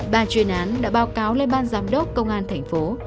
bà chuyên án đã báo cáo lên ban giám đốc công an thành phố